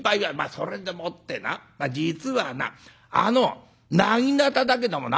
「それでもってな実はなあのなぎなただけどもな」。